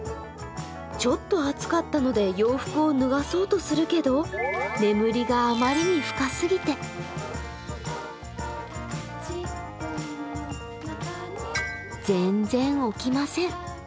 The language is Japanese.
ちょっと暑かったので洋服を脱がそうとするけど眠りがあまりに深すぎて全然起きません。